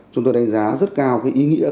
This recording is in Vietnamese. chúng tôi đánh giá rất cao ý nghĩa